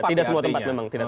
tidak semua tempat memang